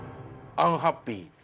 アンハッピー。